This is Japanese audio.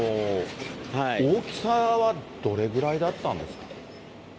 大きさはどれぐらいだったんですか。